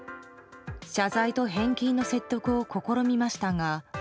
謝罪と返金の説得を試みましたが。